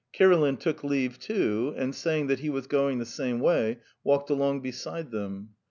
Kirilin took leave too, and saying that he was going the same way, went along beside them.